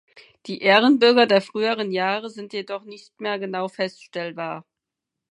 Die Ehrenbürger der früheren Jahre sind jedoch nicht mehr genau feststellbar.